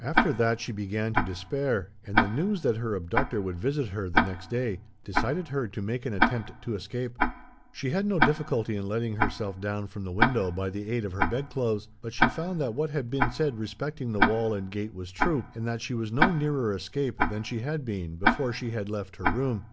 After that she began to despair, and the news that her abductor would visit her, the next day, decided her to make an attempt to escape. She had no difficulty in letting herself down from the window by the aid of her bedclothes, but she found that what had been said respecting the wall and gate was true, and that she was no nearer escape than she had been, before she had left her room.